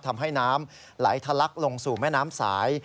ทำให้น้ำไหลทะลักลงสู่แม่น้ำสาย